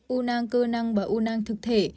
u nang cơ nang và u nang thực thể